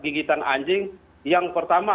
gigitan anjing yang pertama